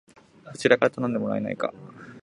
そちらから頼んでもらえないか